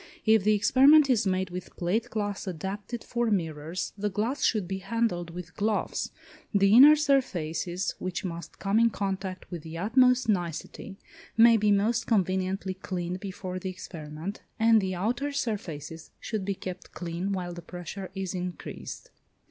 If the experiment is made with plate glass adapted for mirrors, the glass should be handled with gloves. The inner surfaces, which must come in contact with the utmost nicety, may be most conveniently cleaned before the experiment, and the outer surfaces should be kept clean while the pressure is increased.